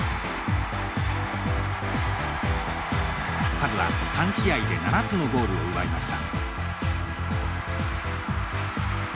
カズは３試合で７つのゴールを奪いました。